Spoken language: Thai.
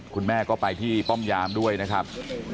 คุณแม่ก็ไปที่ป้อมยามด้วยนะครับ